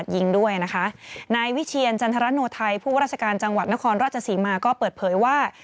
ยิงด้วยนะคะนายวิเชียรจันทรโนไทยผู้ว่าราชการจังหวัดนครราชศรีมาก็เปิดเผยว่า